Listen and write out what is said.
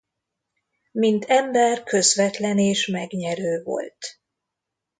Mint ember közvetlen és megnyerő volt.